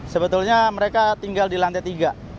sebetulnya mereka tinggal di lantai tiga